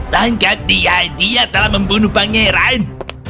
tangkap dia dia telah membunuh pangeran